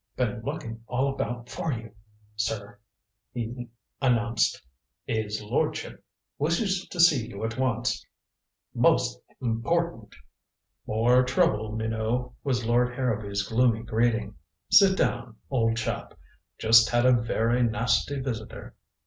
"Been looking all about for you, sir," he announced. "'Is lordship wishes to see you at once most h'important." "More trouble, Minot," was Lord Harrowby's gloomy greeting. "Sit down, old chap. Just had a very nasty visitor."